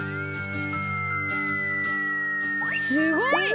すごい！